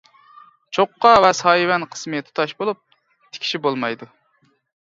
چوققا ۋە سايىۋەن قىسمى تۇتاش بولۇپ، تىكىشى بولمايدۇ.